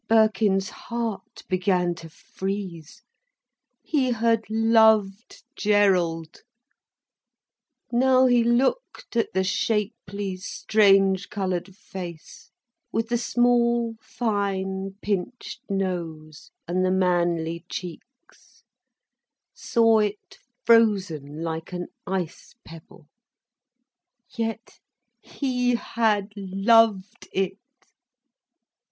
Birkin's heart began to freeze. He had loved Gerald. Now he looked at the shapely, strange coloured face, with the small, fine, pinched nose and the manly cheeks, saw it frozen like an ice pebble—yet he had loved it.